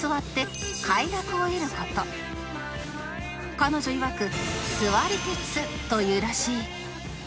彼女いわく座り鉄というらしい